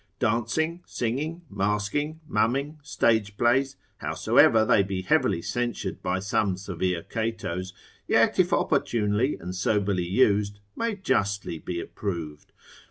Dancing, singing, masking, mumming, stage plays, howsoever they be heavily censured by some severe Catos, yet if opportunely and soberly used, may justly be approved.